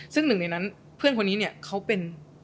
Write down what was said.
ซึ่งหนึ่งในนั้นเพื่อนคนนี้เนี่ยเขาเป็น